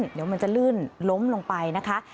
เดี๋ยวมันจะลื่นล้มลงไปนะคะ